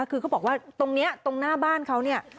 คือเขาบอกว่าตรงนี้ตรงหน้าบ้านเขาเนี่ย